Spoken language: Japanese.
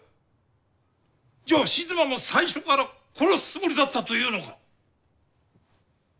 じゃあ静馬も最初から殺すつもりだったというのか。